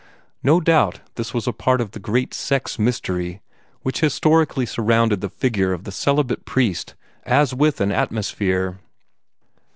No doubt this was a part of the great sex mystery which historically surrounded the figure of the celibate priest as with an atmosphere.